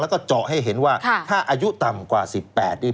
แล้วก็เจาะให้เห็นว่าถ้าอายุต่ำกว่า๑๘นี่